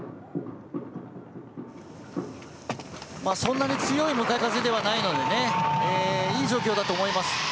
まあそんなに強い向かい風ではないのでねいい状況だと思います。